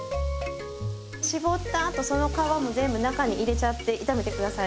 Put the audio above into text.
搾った後その皮も全部中に入れちゃって炒めて下さい。